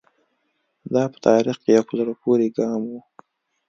دا په تاریخ کې یو په زړه پورې ګام و.